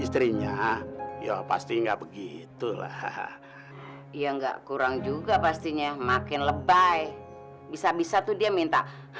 istrinya ya pasti nggak begitulah ya nggak kurang juga pastinya makin lebay bisa bisa tuh dia minta